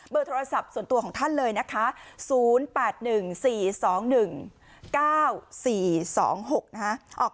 โดยโทรศัพท์ส่วนตัวของท่านเลยนะคะ๐๘๑๔๒๑๙๔๒๖นะคะ